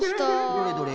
どれどれ？